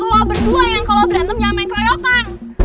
eh lo berdua yang kalau berantem jangan main kroyokan